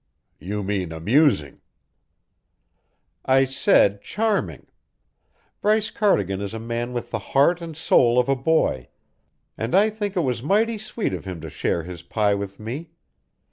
"You mean amusing." "I said 'charming.' Bryce Cardigan is a man with the heart and soul of a boy, and I think it was mighty sweet of him to share his pie with me.